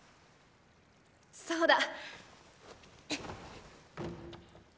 そうだ。